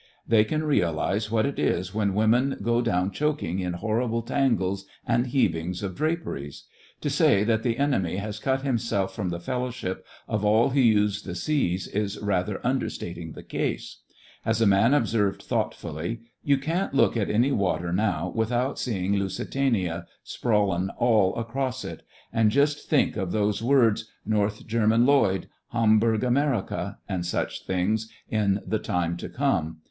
They can realize what it is when women go down choking in horrible tangles and heavings of dra peries. To say that the enemy has cut himself from the fellowship of all who use the seas is rather understating the case. As a man observed thoughtfully: "You can't look at any water now without seeing 'Lusi tania' sprawlin' all across it. And just think of those words, 'North German Lloyd j' ' Hamburg Amerika ' and such things, in the time to come.